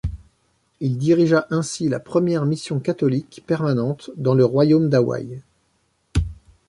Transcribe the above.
Il dirigea ainsi la première mission catholique permanente dans le Royaume d'Hawaï.